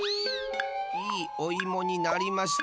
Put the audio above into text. いいおいもになりました。